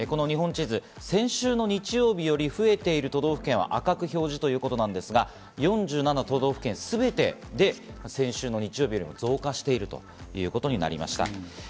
日本地図、先週の日曜日より増えている都道府県を赤く表示ということなんですが４７都道府県、全てで先週の日曜日より増加しているということになりました。